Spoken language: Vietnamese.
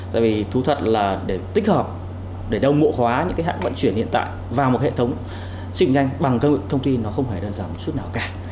tại vì thú thật là để tích hợp để đồng mộ hóa những hãng vận chuyển hiện tại vào một hệ thống sức mạnh nhanh bằng các nguồn thông tin nó không hề đơn giản một chút nào cả